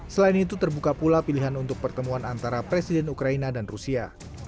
selain itu terbuka pula pilihan untuk pertemuan antara presiden ukraina dan rusia